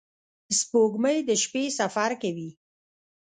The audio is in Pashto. • سپوږمۍ د شپې سفر کوي.